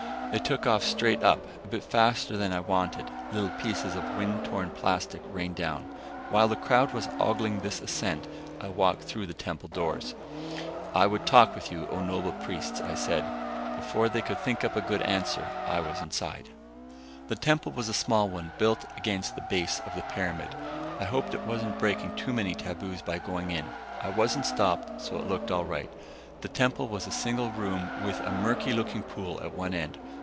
It took off straight up a bit faster than I wanted; little pieces of wind torn plastic rained down. While the crowd was ogling this ascent, I walked through the temple doors. "I would talk with you, O noble priests," I said. Before they could think up a good answer, I was inside. The temple was a small one built against the base of the pyramid. I hoped I wasn't breaking too many taboos by going in. I wasn't stopped, so it looked all right. The temple was a single room with a murky looking pool at one end.